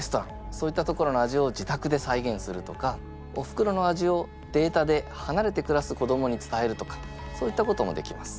そういった所の味をじたくで再現するとかおふくろの味をデータではなれてくらす子どもに伝えるとかそういったこともできます。